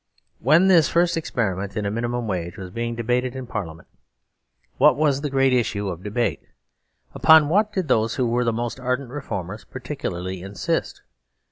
When this first experiment in a minimum wage was being debated in Parliament, what was the great issue of debate ? Upon what did those who were the most ardent reformers particularly insist